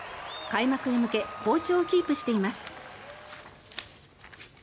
開幕へ向け好調をキープしています。